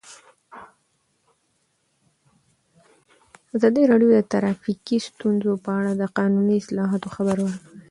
ازادي راډیو د ټرافیکي ستونزې په اړه د قانوني اصلاحاتو خبر ورکړی.